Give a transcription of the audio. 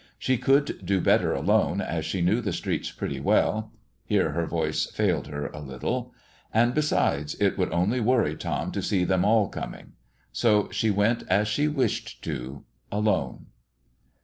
She could do better alone, as she knew the streets pretty well (here her voice failed her a little), and besides, it would only worry Tom to see them all coming. So she went as she wished to, alone.